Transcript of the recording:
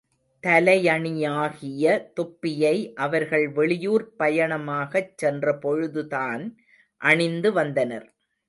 தலையணியாகிய தொப்பியை அவர்கள் வெளியூர்ப் பயணமாகச் சென்ற பொழுதுதான் அணிந்து வந்தனர்.